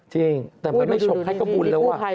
จริงอยู่ด้วย